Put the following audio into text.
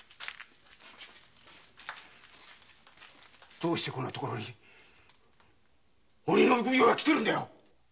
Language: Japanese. どうしてこんなところに鬼の奉行が来てるんだよ！